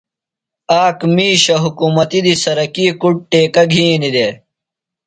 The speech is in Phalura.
آک مِیشہ حُکمتیۡ دی سرکی کُڈ ٹیکہ گِھینیۡ دےۡ۔